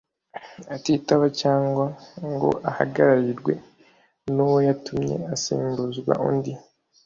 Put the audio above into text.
Atitaba cyangwa ngo ahagararirwe nuwo yatumye asimbuzwa undi